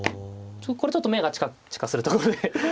これちょっと目がチカチカするところで。